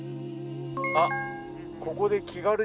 あっ。